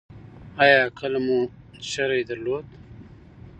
ایا کله مو شری درلوده؟